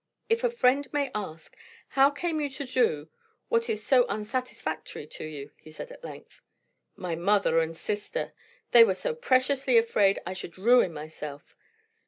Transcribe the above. "If a friend may ask, how came you to do what is so unsatisfactory to you?" he said at length. "My mother and sister! They were so preciously afraid I should ruin myself.